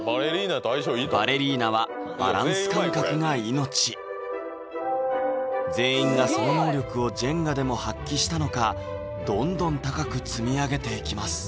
バレリーナはバランス感覚が命全員がその能力をジェンガでも発揮したのかどんどん高く積み上げていきます